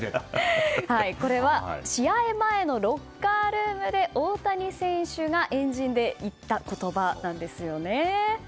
試合前のロッカールームで大谷選手が円陣で言った言葉なんですよね。